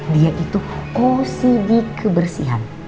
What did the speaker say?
dia itu kosi di kebersihan